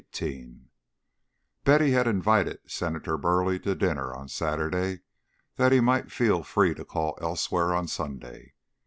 XVIII Betty had invited Senator Burleigh to dinner on Saturday, that he might feel free to call elsewhere on Sunday.